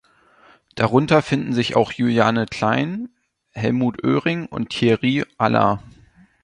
Darunter finden sich auch Juliane Klein, Helmut Oehring und Thiery Alla.